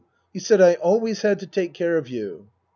You said I always had to take care of you.